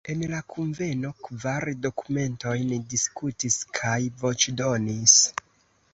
En la kunveno kvar dokumentojn diskutis kaj voĉdonis.